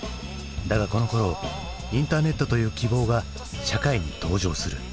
だがこのころインターネットという希望が社会に登場する。